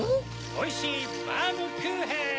おいしいバームクーヘン！